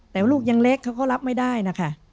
แต่ลูกยังเล็กเขาก็รับไม่ได้นะคะ